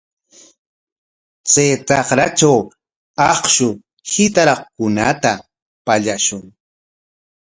Chay trakratraw akshu hitaraqkunata pallakushun.